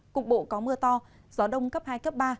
cục bộ có mưa to gió đông cấp hai cấp ba